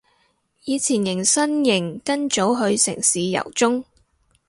以前迎新營跟組去城市遊蹤